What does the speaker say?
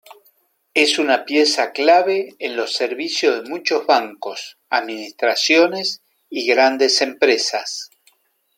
Es una pieza clave en los servicios de muchos bancos, administraciones y grandes empresas.